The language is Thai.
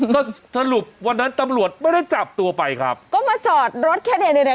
ก็สรุปวันนั้นตำรวจไม่ได้จับตัวไปครับก็มาจอดรถแค่เนี้ยเนี้ย